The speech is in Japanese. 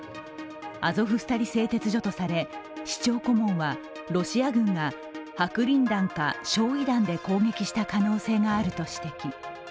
アゾフスタリ製鉄所とされ市長顧問はロシア軍が白リン弾か焼い弾で攻撃した可能性があると指摘。